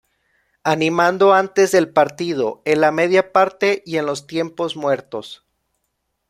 Animando antes del partido, en la media parte y en los tiempos muertos.